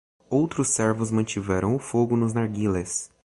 Outros servos mantiveram o fogo nos narguilés.